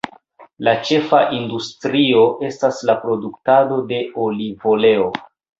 La ĉefa industrio estas la produktado de olivoleo.